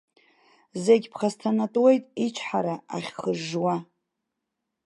Зегь ԥхасҭанатәуеит ичҳара ахьхыжжуа.